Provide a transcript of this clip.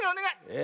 え？